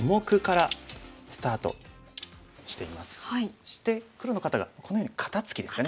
そして黒の方がこのように肩ツキですかね。